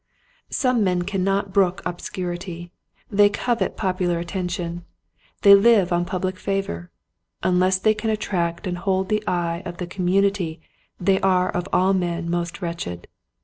Some men cannot brook obscurity. They covet popular attention. They live on public favor. Unless they can attract and hold the eye of the community they are of all men most wretched.